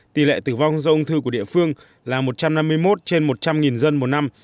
tỷ lệ tử vong do ung thư của địa phương là một trăm năm mươi một trên một trăm linh dân một năm